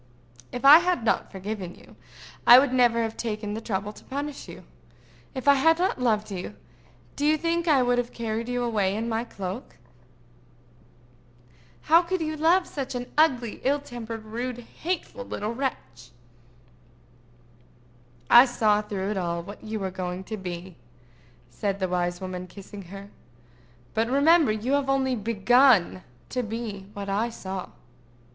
"If I had not forgiven you, I would never have taken the trouble to punish you. If I had not loved you, do you think I would have carried you away in my cloak?" "How could you love such an ugly, ill tempered, rude, hateful little wretch?" "I saw, through it all, what you were going to be," said the wise woman, kissing her. "But remember you have yet only begun to be what I saw."